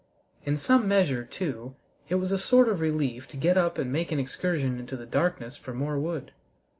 In some measure, too, it was a sort of relief to get up and make an excursion into the darkness for more wood.